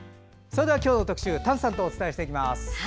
それでは今日の特集丹さんとお伝えしていきます。